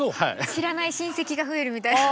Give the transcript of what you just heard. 知らない親戚が増えるみたいな。